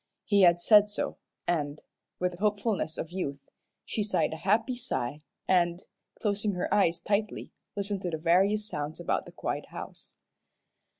He had said so, and, with the hopefulness of youth, she sighed a happy sigh and, closing her eyes tightly, listened to the various sounds about the quiet house.